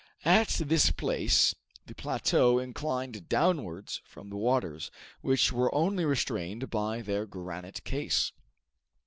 At this place, the plateau inclined downwards from the waters, which were only restrained by their granite case.